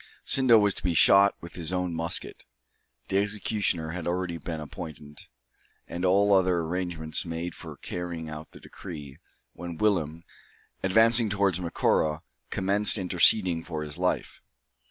Sindo was to be shot with his own musket. The executioner had been already appointed, and all other arrangements made for carrying out the decree, when Willem, advancing towards Macora, commenced interceding for his life.